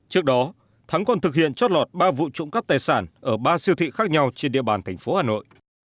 trước đó thắng còn thực hiện trót lọt ba vụ trộm cắp tài sản ở ba siêu thị khác nhau trên địa bàn thành phố hà nội